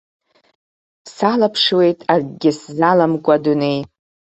Салаԥшуеит акгьы сзаламкәа адунеи.